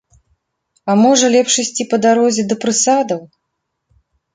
А можа, лепш ісці па дарозе да прысадаў?